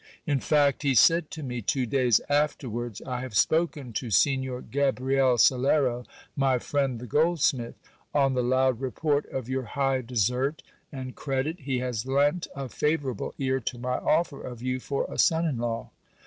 In fact, he said to me two days afterwards, I have spoken, to Signor Gabriel Salero, my friend the goldsmith. On the loud report of your high desert and credit, he has lent a favourable ear to my offer of you for a son in law.